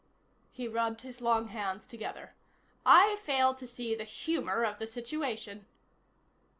He rubbed his long hands together. "I fail to see the humor of the situation."